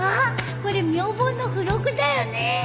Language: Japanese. これ『明凡』の付録だよね